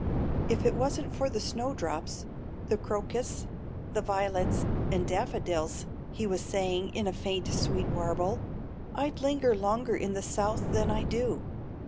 "If it wasn't for the snowdrops, the crocus, the violets, and daffodils," he was saying in a faint sweet warble, "I'd linger longer in the South than I do.